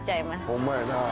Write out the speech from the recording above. ホンマやな。